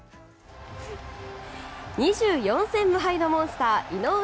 ２４戦無敗のモンスター井上